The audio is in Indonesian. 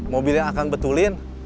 mobil yang akan betulin